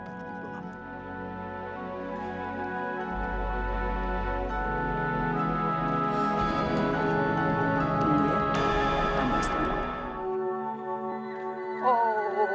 kita masih tunggu